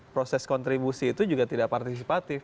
proses kontribusi itu juga tidak partisipatif